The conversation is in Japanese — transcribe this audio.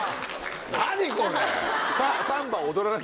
何これ！